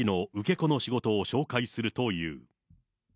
子の仕事を紹介するという。